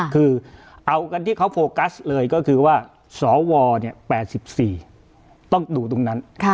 คือเอากันที่เขาโฟกัสเลยก็คือว่าสว๘๔ต้องดูตรงนั้น